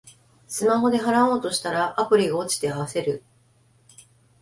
スマホで払おうとしたら、アプリが落ちて焦る